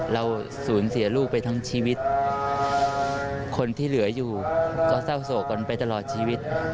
เราสูญเสียลูกไปทั้งชีวิตคนที่เหลืออยู่ก็เศร้าโศกกันไปตลอดชีวิต